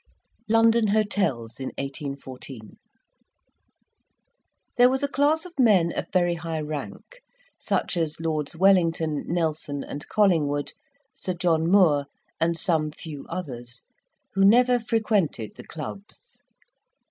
LONDON HOTELS IN 1814 There was a class of men, of very high rank, such as Lords Wellington, Nelson, and Collingwood, Sir John Moore and some few others who never frequented the clubs.